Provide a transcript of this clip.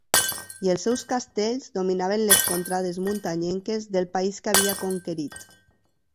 I els seus castells dominaven les contrades muntanyenques del país que havia conquerit.